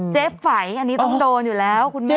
ไฝอันนี้ต้องโดนอยู่แล้วคุณแม่